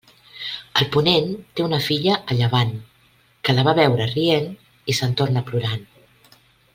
El ponent té una filla a llevant, que la va a veure rient i se'n torna plorant.